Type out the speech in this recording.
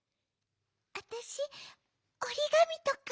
あたしおりがみとか。